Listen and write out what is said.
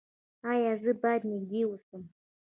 ایا زه باید نږدې اوسم؟